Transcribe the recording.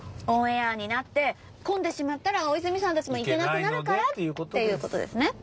「オンエアになって混んでしまったら大泉さんたちも行けなくなるから」っていうコトですね？